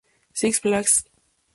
Six Flags St.